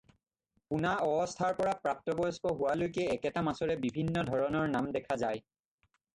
পোনা অৱস্থাৰ পৰা প্ৰাপ্তবয়স্ক হোৱালৈকে একেটা মাছৰে বিভিন্ন ধৰণৰ নাম দেখা যায়।